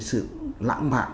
sự lãng mạn